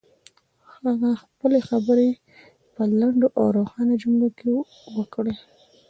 هغه خپلې خبرې په لنډو او روښانه جملو کې وکړې.